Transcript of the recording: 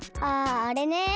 ああれね。